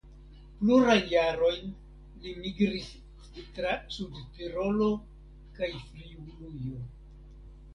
Plurajn jarojn li migris tra Sudtirolo kaj Friulujo.